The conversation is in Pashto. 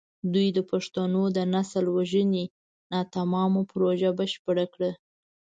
دوی د پښتنو د نسل وژنې ناتمامه پروژه بشپړه کړه.